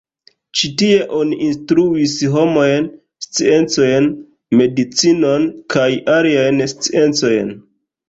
Ĉi tie oni instruis homajn sciencojn, medicinon kaj aliajn sciencojn.